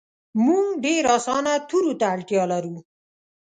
مونږ ډیر اسانه تورو ته اړتیا لرو